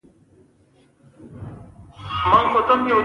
ګډه بشري وده او تکامل رامنځته کول دي.